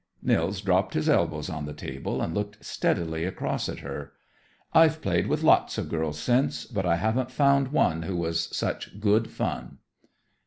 Nils dropped his elbows on the table and looked steadily across at her. "I've played with lots of girls since, but I haven't found one who was such good fun."